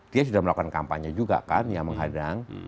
dia sudah melakukan kampanye juga kan yang menghadang